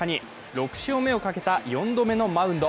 ６勝目をかけた４度目のマウンド。